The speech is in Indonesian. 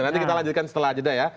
nanti kita lanjutkan setelah jeda ya